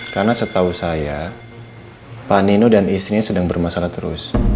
karena setahu saya pak nino dan istrinya sedang bermasalah terus